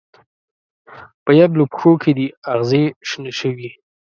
په یبلو پښو کې دې اغزې شنه شوي